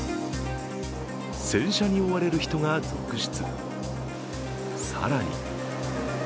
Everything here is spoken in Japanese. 洗車に追われる人が続出。